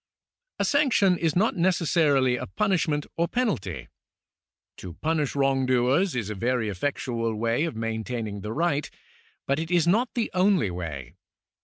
^ A sanction is not necessarily a punishment or penalty. To punish wrongdoers is a very effectual way of maintaining the right, but it is not the only way.